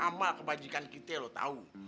amal kebajikan kita lo tau